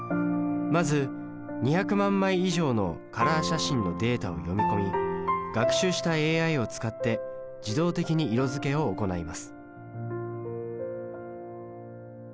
まず２００万枚以上のカラー写真のデータを読み込み学習したＡＩを使って自動的に色づけを行います。